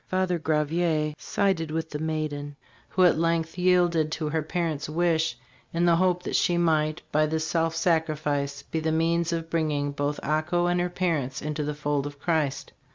Father Gravier sided with the maiden, who at length yielded to her parent's wish in the hope that she might, by this self sacrifice, be the means of bi inging both Ako and her parents into the fold of Christ.